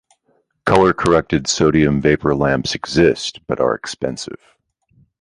Color-corrected sodium vapor lamps exist but are expensive.